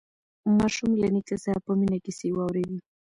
ماشوم له نیکه څخه په مینه کیسې واورېدې